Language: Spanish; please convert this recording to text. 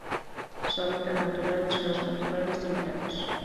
Su hábitat natural son los matorrales templados.